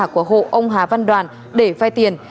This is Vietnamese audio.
của hộ ông hà văn đoàn để vai tiền